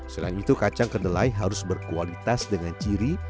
selain itu kacang kedelai harus berkualitas dengan ciri